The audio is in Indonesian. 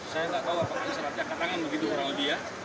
saya tidak tahu apakah ini salah cekat tangan begitu orang orang dia